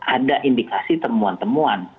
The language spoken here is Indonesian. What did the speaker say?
ada indikasi temuan temuan